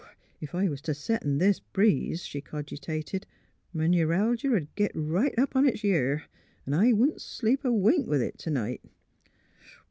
'' If I was t' set in this breeze," she cogitated, m' neuralgia 'd git right up on its year; 'n' I wouldn't sleep a wink with it t ' night.